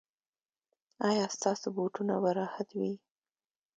ایا ستاسو بوټونه به راحت وي؟